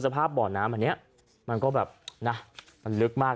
บ่อน้ำอันนี้มันก็แบบนะมันลึกมาก